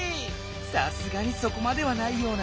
さすがにそこまではないような。